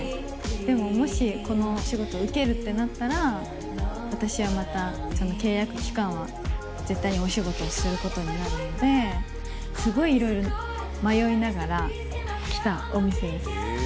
でももし、このお仕事を受けるってなったら、私はまた、その契約期間は絶対にお仕事をすることになるので、すごいいろいろ迷いながら来たお店です。